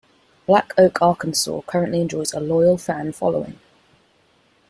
Black Oak Arkansas currently enjoys a loyal fan following.